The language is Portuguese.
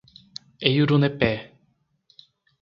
Eirunepé